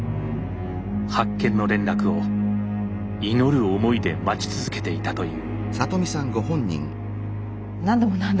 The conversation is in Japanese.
発見の連絡を祈る思いで待ち続けていたという。